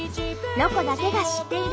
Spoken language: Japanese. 「ロコだけが知っている」。